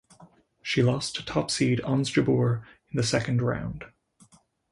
She lost to top seed Ons Jabeur in the second round.